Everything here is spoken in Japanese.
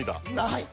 はい。